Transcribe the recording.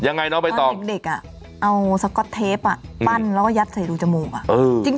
ยังไงเนอะไปต่อตอนเด็กเอาสก๊อตเทปปั้นแล้วก็ยัดใส่รูจมูก